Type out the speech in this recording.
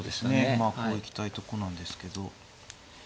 まあこう行きたいとこなんですけど。